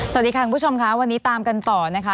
สวัสดีค่ะคุณผู้ชมค่ะวันนี้ตามกันต่อนะคะ